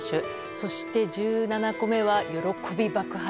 そして、１７個目は喜び爆発